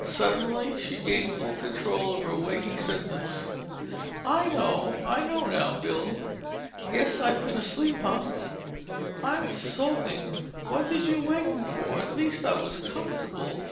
Suddenly she gained full control of her waking senses. "I know. I know now, Bill. Guess I've been asleep. Ugh! I'm soaking. What did you wake me for? At least, I was comfortable!"